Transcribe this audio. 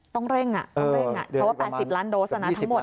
ต้องเร่งอ่ะต้องเร่งอ่ะเพราะว่าประมาณ๑๐ล้านโดสนะทั้งหมด